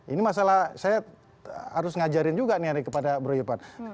ini masalah saya harus ngajarin juga kepada bro iban